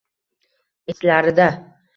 Ichlarida